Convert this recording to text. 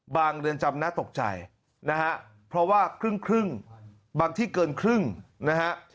เรือนจำน่าตกใจนะฮะเพราะว่าครึ่งบางที่เกินครึ่งนะฮะ